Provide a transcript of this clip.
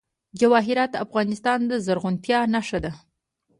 جواهرات د افغانستان د زرغونتیا نښه ده.